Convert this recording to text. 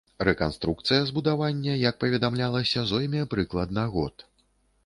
Рэканструкцыя збудавання, як паведамлялася, зойме прыкладна год.